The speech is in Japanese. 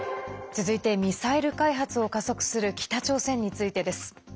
続いて、ミサイル開発を加速する北朝鮮についてです。